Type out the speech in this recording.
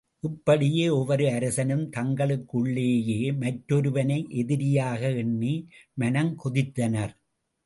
இப்படியே ஒவ்வொரு அரசனும் தங்களுக்குள்ளேயே மற்றொருவனை எதிரியாக எண்ணி மனங்கொதித்தனர்.